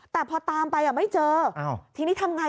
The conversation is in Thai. แต่พอตามไปไม่เจอทีนี้ทำไง